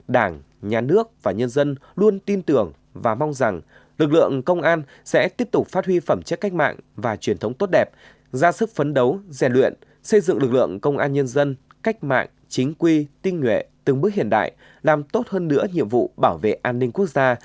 đảng nhà nước và nhân dân luôn tin tưởng và mong rằng lực lượng công an sẽ tiếp tục phát huy phẩm chất cách mạng và truyền thống tốt đẹp ra sức phấn đấu rèn luyện xây dựng lực lượng công an nhân dân cách mạng chính quy tinh nguyện từng bước hiện đại làm tốt hơn nữa nhiệm vụ bảo vệ an ninh quốc gia